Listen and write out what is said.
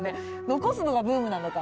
残すのがブームなのか。